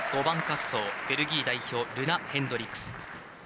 ５番滑走、ベルギー代表ルナ・ヘンドリックス。